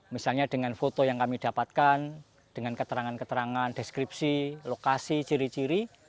misalnya dengan foto yang kami dapatkan dengan keterangan keterangan deskripsi lokasi ciri ciri